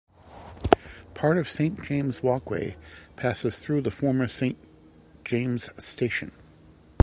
Part of Saint James Walkway passes through the former Saint James Station.